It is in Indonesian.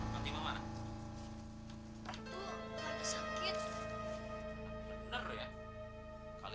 ya kubiarnya pak